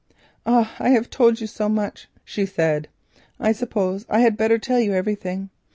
"As I have told you so much," she said, "I suppose that I had better tell you everything.